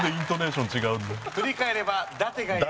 振り返ればダテがいる。